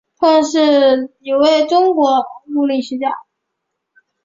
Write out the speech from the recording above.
任之恭是一位中国物理学家。